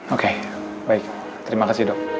oke baik terima kasih dok